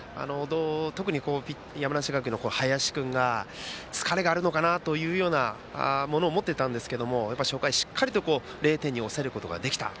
特に山梨学院の林君が疲れがあるのかなというようなものを持っていたんですが、初回０点に抑えることができた。